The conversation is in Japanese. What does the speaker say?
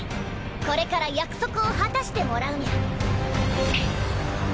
これから約束を果たしてもらうニャ。